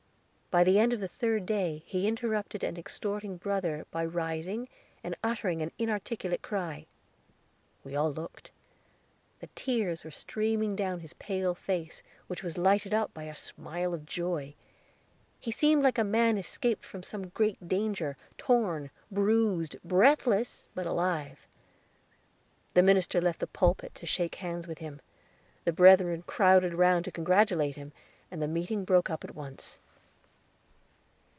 By the end of the third day, he interrupted an exhorting brother by rising, and uttering an inarticulate cry. We all looked. The tears were streaming down his pale face, which was lighted up by a smile of joy. He seemed like a man escaped from some great danger, torn, bruised, breathless, but alive. The minister left the pulpit to shake hands with him; the brethren crowded round to congratulate him, and the meeting broke up at once.